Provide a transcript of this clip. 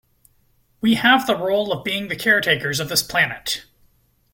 We have the role of being the caretakers of this planet.